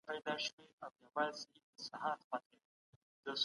موږ د صادراتو د ډېرولو په هڅه کي یو.